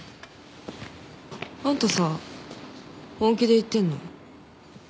あんたさ本気で言ってんの？